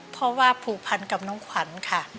เพราะว่าผูกพันกับน้องขวัญค่ะ